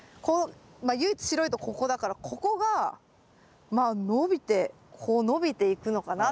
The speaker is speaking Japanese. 唯一白いとこここだからここがまあ伸びてこう伸びていくのかなって。